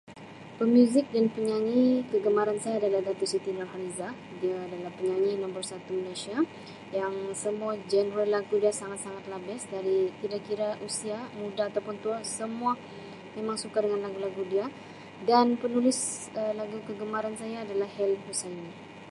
"Pemuzik dan penyanyi kegemaran saya adalah Datuk Siti Nurhalizah dia adalah penyanyi nombor satu Malaysia yang semua genre lagu dia sangat sangat lah ""best"" dari tidak kira usia muda atau pun tua semua memang suka dengan lagu lagu dia dan penulis Um lagu kegemaran saya adalah Hael Hussaini."